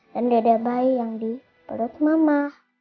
dan deda bayi yang di perut mama